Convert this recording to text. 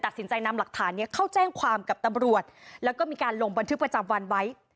ตัดสินใจนำหลักฐานนี้เข้าแจ้งความกับตำรวจแล้วก็มีการลงบันทึกประจำวันไว้